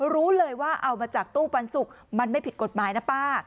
รู้เลยว่าเอามาจากตู้ปันสุกมันไม่ผิดกฎหมายนะป้า